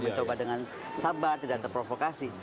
mencoba dengan sabar tidak terprovokasi